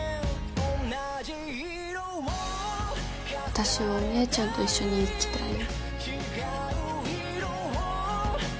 私はお姉ちゃんと一緒に生きたい。